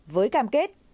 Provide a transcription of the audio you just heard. với cam kết